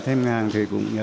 thành phố huế